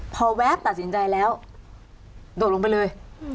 พอแวบตัดสินใจแล้วโดดลงไปเลย